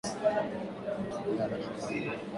angie hata kama anajisikia vibaya namna gani